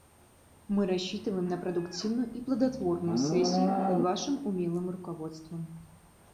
Мы рассчитываем на продуктивную и плодотворную сессию под вашим умелым руководством.